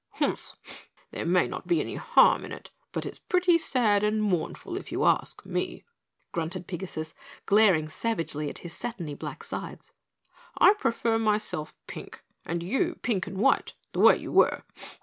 "Humph! There may not be any harm in it, but it's pretty sad and mournful, if you ask me," grunted Pigasus, glaring savagely at his satiny black sides. "I prefer myself pink and you pink and white the way you were.